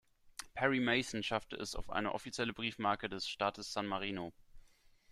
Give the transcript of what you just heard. Perry Mason schaffte es auf eine offizielle Briefmarke des Staates San Marino.